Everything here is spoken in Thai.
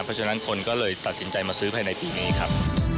เพราะฉะนั้นคนก็เลยตัดสินใจมาซื้อภายในปีนี้ครับ